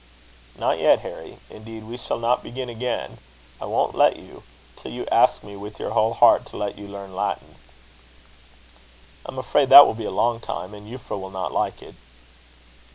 "Not yet, Harry. Indeed, we shall not begin again I won't let you till you ask me with your whole heart, to let you learn Latin." "I am afraid that will be a long time, and Euphra will not like it."